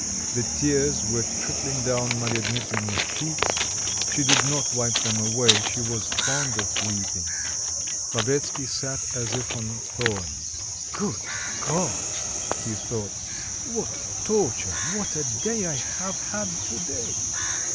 The tears were trickling down Marya Dmitrievna's cheeks: she did not wipe them away, she was fond of weeping. Lavretsky sat as if on thorns. "Good God," he thought, "what torture, what a day I have had to day!"